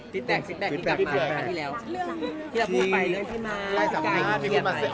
ซิดแฟรคที่กลับมาทันทีแล้ว